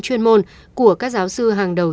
chuyên môn của các giáo sư hàng đầu